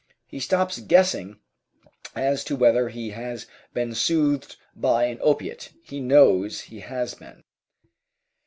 He stops guessing as to whether he has been soothed by an opiate; he knows he has been.